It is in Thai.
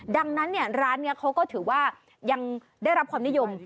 ดังนั้นร้านนี้เขาก็ถือว่ายังได้รับความนิยม